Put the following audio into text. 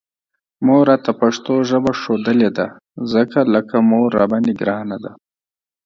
مور راته پښتو ژبه ښودلې ده، ځکه لکه مور راباندې ګرانه ده